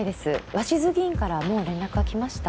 鷲津議員からはもう連絡は来ました？